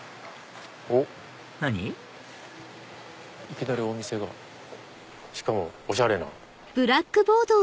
いきなりお店がしかもおしゃれな。